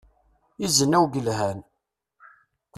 Izen awgelhan.